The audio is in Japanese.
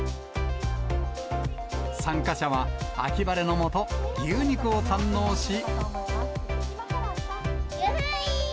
参加者は、秋晴れの下、牛肉を堪能し。